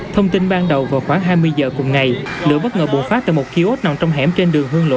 thông tin ban đầu vào khoảng hai mươi giờ cùng ngày lửa bất ngờ bùng phát tại một kiosk nằm trong hẻm trên đường hương lộ